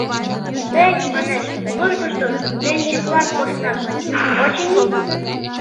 — Тый, манеш, службышто денщиклан коштынат, очыни?